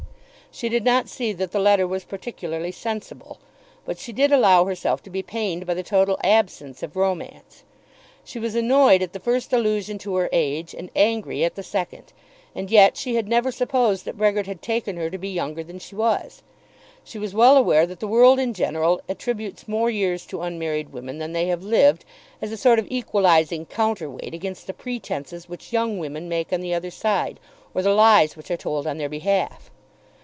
She did not see that the letter was particularly sensible; but she did allow herself to be pained by the total absence of romance. She was annoyed at the first allusion to her age, and angry at the second; and yet she had never supposed that Brehgert had taken her to be younger than she was. She was well aware that the world in general attributes more years to unmarried women than they have lived, as a sort of equalising counter weight against the pretences which young women make on the other side, or the lies which are told on their behalf.